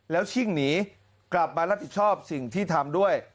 แล้วชิ่งหนีกลับมารับผิดชอบสิ่งที่ทำด้วย